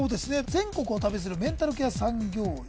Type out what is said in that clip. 全国を旅するメンタルケア産業医